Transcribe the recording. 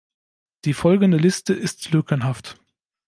Die folgende Liste ist lückenhaft.